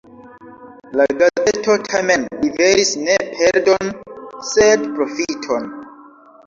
La gazeto tamen liveris ne perdon, sed profiton.